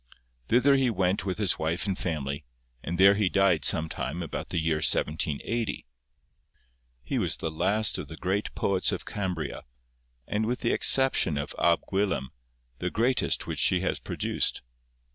Thither he went with his wife and family, and there he died some time about the year 1780. 'He was the last of the great poets of Cambria, and with the exception of Ab Gwilym, the greatest which she has produced.